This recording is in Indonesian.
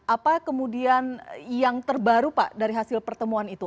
apa kemudian yang terbaru pak dari hasil pertemuan itu